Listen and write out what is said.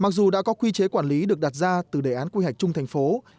tôi rất ủng hộ